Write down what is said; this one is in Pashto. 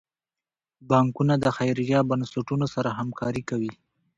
بانکونه د خیریه بنسټونو سره همکاري کوي.